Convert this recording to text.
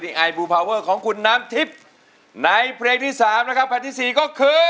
เลือกแล้วแผ่นที่๔ก็